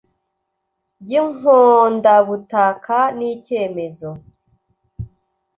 ry inkondabutaka n icyemezo